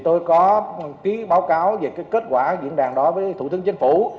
tôi có ký báo cáo về kết quả diễn đàn đó với thủ tướng chính phủ